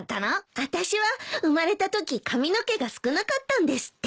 あたしは生まれたとき髪の毛が少なかったんですって。